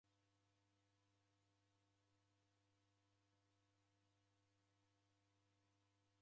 Ndedirumiriagha disumbulo ni chovu.